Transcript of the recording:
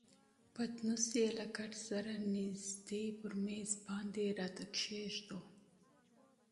پتنوس یې له کټ سره نژدې پر میز باندې راته کښېښود.